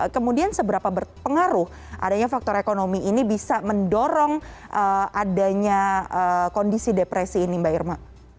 kemudian seberapa berpengaruh adanya faktor ekonomi ini bisa mendorong adanya kondisi depresi ini mbak irma